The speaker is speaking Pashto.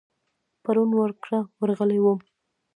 پرون ور کره ورغلی وم.